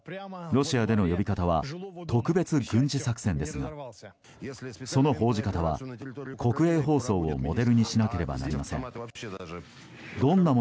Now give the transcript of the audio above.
ロシアでの呼び方は特別軍事作戦ですがその報じ方は国営放送をモデルにしなければなりません。